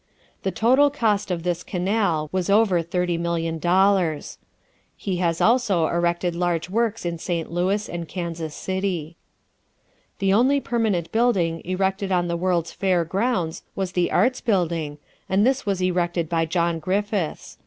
The total cost of this canal was over $30,000,000. He has also erected large works in St. Louis and Kansas City. The only permanent building erected on the World's Fair grounds was the Arts Building, and this was erected by John Griffiths.